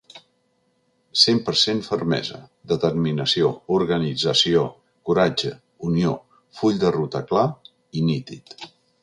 Cent per cent Fermesa, determinació, organització, coratge, unió, full de ruta clar i nítid.